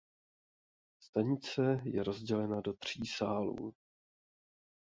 Stanice je rozdělena do tří sálů.